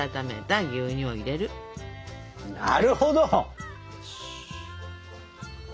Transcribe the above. なるほど！